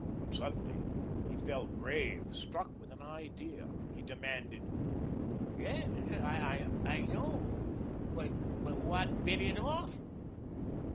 But suddenly he fell grave, struck with an idea. He demanded: "Yes I know but but what bit it off?"